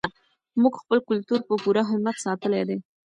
موږ خپل کلتور په پوره همت ساتلی دی.